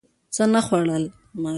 څه نه خوړل